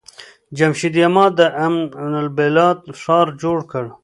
جمشيد يما د ام البلاد ښار جوړ کړ.